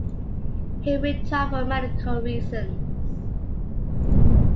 He retired for medical reasons.